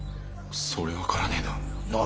そりゃ分からねえな。